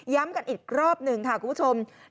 กันอีกรอบหนึ่งค่ะคุณผู้ชม